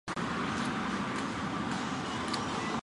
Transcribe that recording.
该主机仅在日本正式发布。